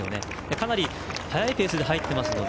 かなり、速いペースで入っていますので。